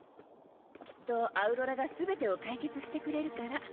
きっとアウロラが全てを解決してくれるから。